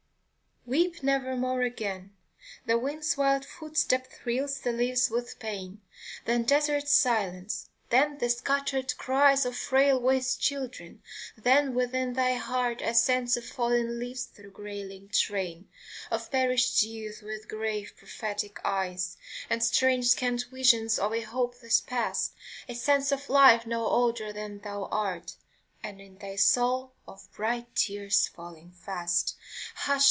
WEEP nevermore again ! The wind's wild footstep thrills the leaves with pain ; Then desert silence, then the scattered cries Of frail voiced children, then within thy heart A sense of falling leaves through gray linked rain, Of perished youth with grave prophetic eyes And strange scant visions of a hopeless past ; A sense of life no older than thou art, And in thy soul, of bright tears falling fast Hush